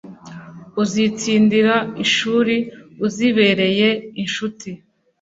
Uzitsindira inshuri Uzibereye inshuti